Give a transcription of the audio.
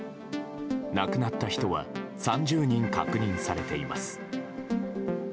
亡くなった人は３０人確認されています。